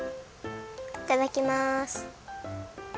いただきます。